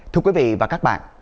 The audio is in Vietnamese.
thưa quý vị và các bạn